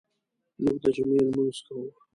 موږ د جمعې لمونځ کوو.